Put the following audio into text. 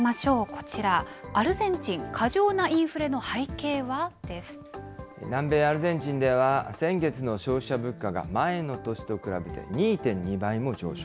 こちら、アルゼンチン、南米アルゼンチンでは、先月の消費者物価が前の年と比べて２．２倍も上昇。